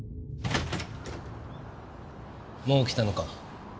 もう来たのか。